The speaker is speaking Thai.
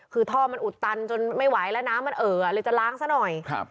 คือท่อมันอุดตันจนไม่ไหวแล้วน้ำมันเอ่อเลยจะล้างซะหน่อยครับ